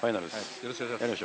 よろしくお願いします。